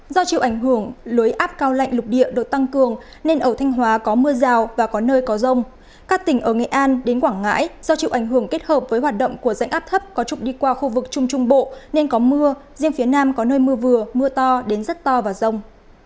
do chịu ảnh hưởng lưới áp cao lạnh lục địa được tăng cường nên ở thanh hóa có mưa rào và có nơi có rông các tỉnh ở nghệ an đến quảng ngãi do chịu ảnh hưởng kết hợp với hoạt động của rãnh áp thấp có trục đi qua khu vực trung trung bộ nên có mưa riêng phía nam có nơi mưa vừa mưa to đến rất to và rông